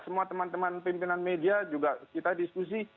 semua teman teman pimpinan media juga kita diskusi